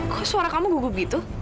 kok suara kamu gugup gitu